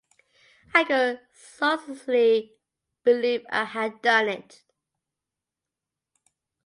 I could scarcely believe I had done it.